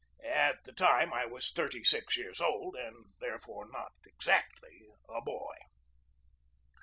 At the time I was thirty six years old, and there fore not exactly a boy.